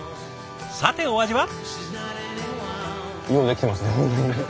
さてお味は？